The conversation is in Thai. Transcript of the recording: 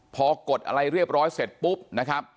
พอกดอะไรเรียบร้อยเสร็จปุ๊บนะครับ